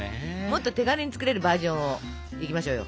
もっと手軽に作れるバージョンをいきましょうよ！